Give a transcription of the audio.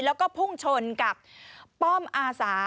แล้วก็พุ่งชนกับป้อมอาสา